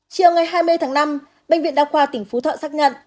chiều ngày hai mươi tháng năm bệnh viện đa khoa tỉnh phú thọ xác nhận